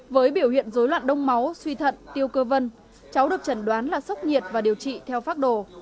với biểu hiện dối loạn đông máu suy thận tiêu cơ vân cháu được trần đoán là sốc nhiệt và điều trị theo phác đồ